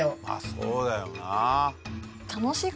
あっそうだよな。